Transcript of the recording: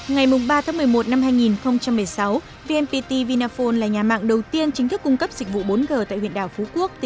ngày ba tháng một mươi một năm hai nghìn một mươi sáu vnpt vinaphone là nhà mạng đầu tiên chính thức cung cấp dịch vụ bốn g tại huyện đảo phú quốc